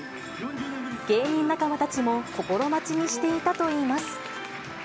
芸人仲間たちも心待ちにしていたといいます。